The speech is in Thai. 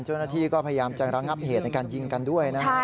เจ้าหน้าที่ก็พยายามจะระงับเหตุในการยิงกันด้วยนะฮะ